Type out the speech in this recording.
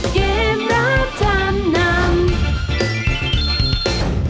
เกมรับจำนำ